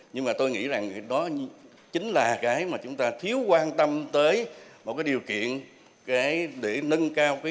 nhưng mà tôi nghĩ rằng đó chính là cái mà chúng ta thiếu quan tâm tới một cái điều kiện để nâng cao